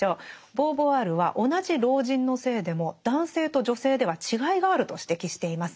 ボーヴォワールは同じ老人の性でも男性と女性では違いがあると指摘しています。